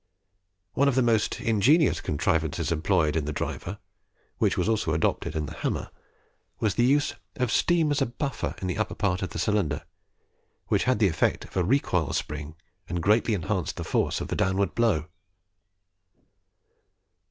One of the most ingenious contrivances employed in the driver, which was also adopted in the hammer, was the use of steam as a buffer in the upper part of the cylinder, which had the effect of a recoil spring, and greatly enhanced the force of the downward blow.